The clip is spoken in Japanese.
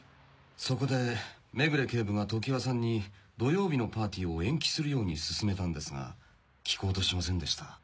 そこで目暮警部が常磐さんに土曜日のパーティーを延期するように勧めたんですが聞こうとしませんでした。